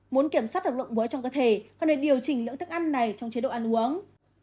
muốn kiểm soát được lượng muối trong cơ thể cần nên điều chỉnh lượng thức ăn này trong chế độ ăn uống